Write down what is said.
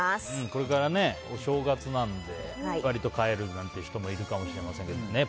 これからお正月なので割と帰るなんていう人もいるかもしれませんけどね。